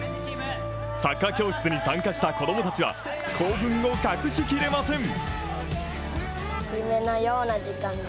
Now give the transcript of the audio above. サッカー教室に参加した子供たちは興奮を隠しきれません。